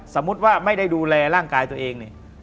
สมมุติว่าไม่ได้ดูแลร่างกายตัวเองเนี่ย